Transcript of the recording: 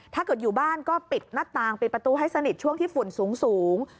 ถ้าเกิดอยู่บ้านก็ปิดหน้าต่างปิดประตูให้สนิทช่วงที่ฝุ่นสูง